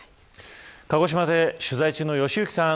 鹿児島で取材中の良幸さん。